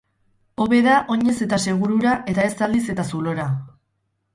Hobe da oinez eta segurura, eta ez zaldiz eta zulora.